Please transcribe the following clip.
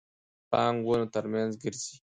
پړانګ ونو ترمنځ ګرځي.